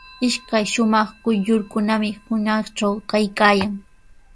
Ishkay shumaq quyllurkunami hunaqtraw kaykaayan.